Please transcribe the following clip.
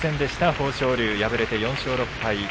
豊昇龍、敗れて４勝６敗。